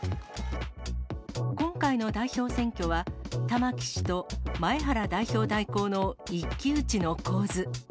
今回の代表選挙は、玉木氏と前原代表代行の一騎打ちの構図。